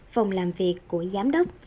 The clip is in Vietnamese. phòng làm việc của giám đốc